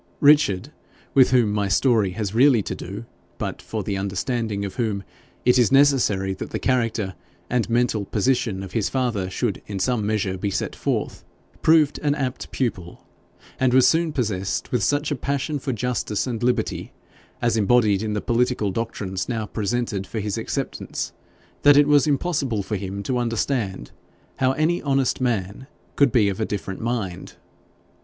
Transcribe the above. Richard, with whom my story has really to do, but for the understanding of whom it is necessary that the character and mental position of his father should in some measure be set forth, proved an apt pupil, and was soon possessed with such a passion for justice and liberty, as embodied in the political doctrines now presented for his acceptance, that it was impossible for him to understand how any honest man could be of a different mind.